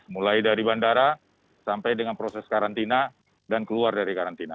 mulai dari bandara sampai dengan proses karantina dan keluar dari karantina